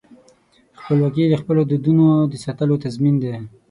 خپلواکي د خپلو دودونو د ساتلو تضمین دی.